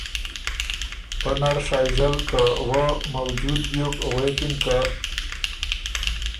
پۀ نر شائزل که وۀ موجود بیوک غوېکِن که